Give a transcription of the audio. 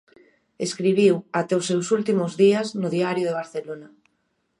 Escribiu, até os seus últimos días, no Diario de Barcelona.